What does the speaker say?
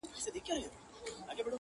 تر ماځیګره ورته شپې وکړم که څه وکړمه